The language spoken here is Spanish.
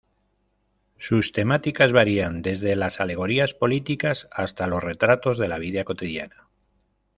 Sus temáticas varían desde las alegorías políticas hasta los retratos de la vida cotidiana.